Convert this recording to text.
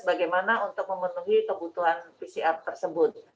bagaimana untuk memenuhi kebutuhan pcr tersebut